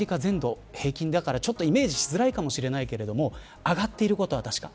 ちょっとイメージしづらいかもしれないけれど上がっていることは確か。